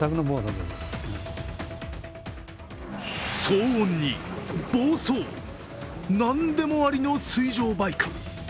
騒音に暴走、なんでもありの水上バイク。